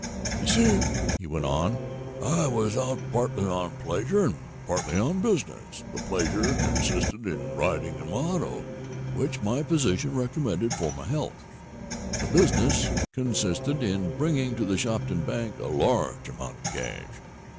"You see," he went on, "I was out partly on pleasure and partly on business. The pleasure consisted in riding in my auto, which my physician recommended for my health. The business consisted in bringing to the Shopton Bank a large amount of cash.